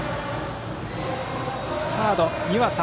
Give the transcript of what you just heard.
サード、湯浅。